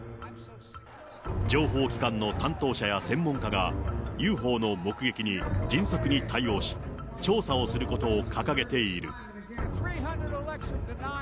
情報機関の担当者や専門家が、ＵＦＯの目撃に迅速に対応し、調査をすることを掲げている。